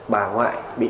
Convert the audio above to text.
bà ngoại bị